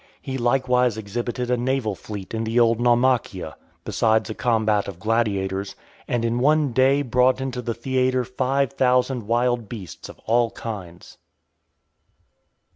He likewise exhibited a naval fight in the old Naumachia, besides a combat of gladiators; and in one day brought into the theatre five thousand wild beasts of all kinds.